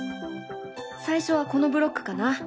最初はこのブロックかな。